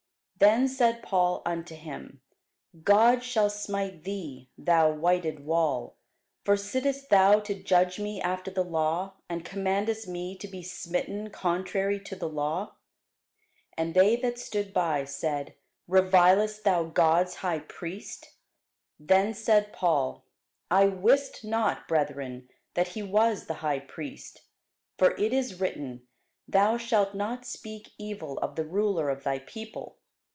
Then said Paul unto him, God shall smite thee, thou whited wall: for sittest thou to judge me after the law, and commandest me to be smitten contrary to the law? And they that stood by said, Revilest thou God's high priest? Then said Paul, I wist not, brethren, that he was the high priest: for it is written, Thou shalt not speak evil of the ruler of thy people.